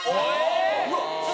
うわっ！